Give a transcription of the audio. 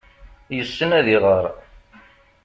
Yessen ad iɣer.